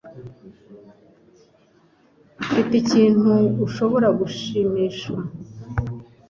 Mfite ikintu ushobora gushimishwa.